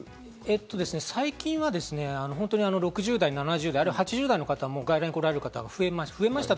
最近は６０代７０代、あるいは８０代の方も外来にこられる方が増えました。